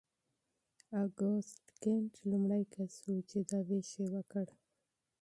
اګوست کنت لومړی کس و چې دا ویش یې وکړ.